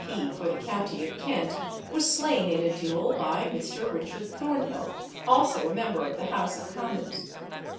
P. for the county of Kent, was slain in a duel by Mr. Richard Thornhill, also a member of the House of Commons.